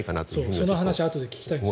その話あとで聞きたいんです。